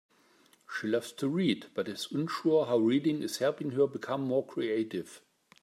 She loves to read, but is unsure how reading is helping her become more creative.